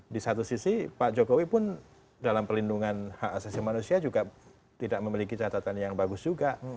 di satu sisi pak jokowi pun dalam pelindungan hak asasi manusia juga tidak memiliki catatan yang bagus juga